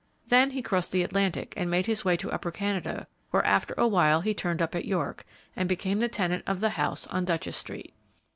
Then he crossed the Atlantic and made his way to Upper Canada, where, after a while, he turned up at York, and became the tenant of the house on Duchess street.